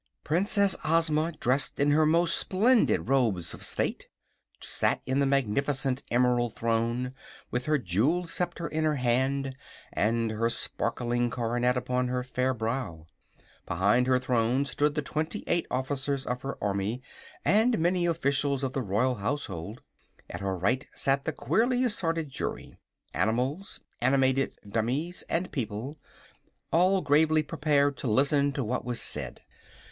Princess Ozma, dressed in her most splendid robes of state, sat in the magnificent emerald throne, with her jewelled sceptre in her hand and her sparkling coronet upon her fair brow. Behind her throne stood the twenty eight officers of her army and many officials of the royal household. At her right sat the queerly assorted Jury animals, animated dummies and people all gravely prepared to listen to what was said.